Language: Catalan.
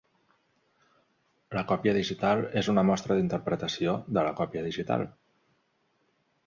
La còpia digital és una mostra d'interpretació de la còpia digital.